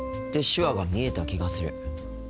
手話が見えた気がする。